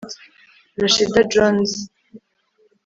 rashida jones